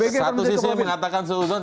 satu sisinya mengatakan seudahan